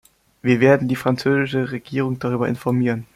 Wir werden die französische Regierung darüber informieren.